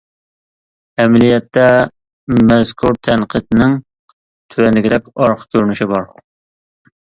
ئەمەلىيەتتە، مەزكۇر تەنقىدنىڭ تۆۋەندىكىدەك ئارقا كۆرۈنۈشى بار.